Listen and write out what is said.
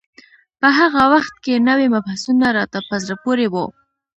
په هغه وخت کې نوي مبحثونه راته په زړه پورې وو.